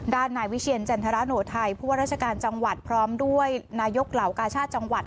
นายวิเชียรจันทรโนไทยผู้ว่าราชการจังหวัดพร้อมด้วยนายกเหล่ากาชาติจังหวัด